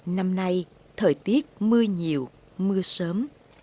năm nay thời tiết mưa nhiều mưa sớm